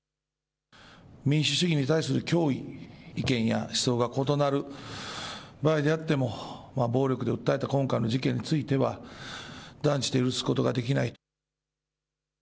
民主主義に対する脅威、意見や思想が異なる場合であっても暴力に訴えた今回の事件については断じて許すことができない。